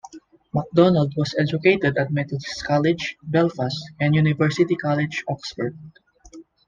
McDonald was educated at Methodist College, Belfast, and University College, Oxford.